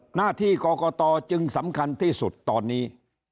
หน้าที่กรกตจึงสำคัญที่สุดตอนนี้